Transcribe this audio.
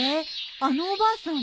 あのおばあさん